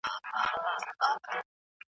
په جګړه کي دوی تل فاتح وو.